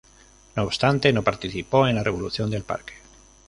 No obstante, no participó en la Revolución del Parque.